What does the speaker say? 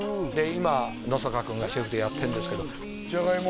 今野坂君がシェフでやってるんですけどジャガイモ